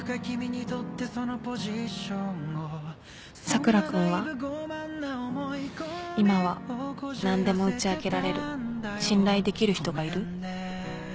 佐倉君は今は何でも打ち明けられる信頼できる人がいる？